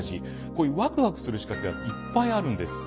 こういうワクワクする仕掛けがいっぱいあるんです。